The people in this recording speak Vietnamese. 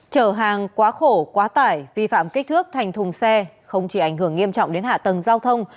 chở hàng quá khổ quá tải vi phạm kích thước thành thùng xe không chỉ ảnh hưởng nghiêm trọng đến hạ tầng giao thông